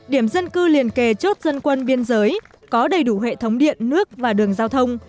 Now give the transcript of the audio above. điểm dân cư liền kề chốt dân quân biên giới có đầy đủ hệ thống điện nước và đường giao thông